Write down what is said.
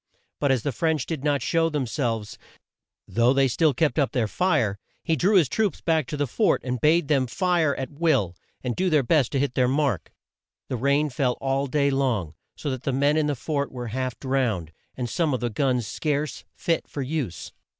But as the French did not show them selves, though they still kept up their fire, he drew his troops back to the fort and bade them fire at will, and do their best to hit their mark. The rain fell all day long, so that the men in the fort were half drowned, and some of the guns scarce fit for use.